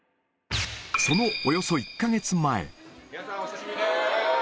そのおよそ１か月前。